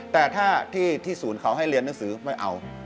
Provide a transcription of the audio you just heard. แต่ถ้าที่ศูนย์เขาให้เรียนหนังสือไม่เอา